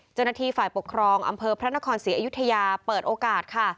เจ้าหน้าที่ฝ่ายปกครองอำเภอพระนครศรีอยุธยาเปิดโอกาสค่ะ